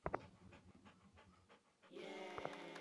তাই বিদেশি ক্রেতারা যদি ভ্রমণ বাতিল করেন, তাহলে সেটি অস্বাভাবিক না।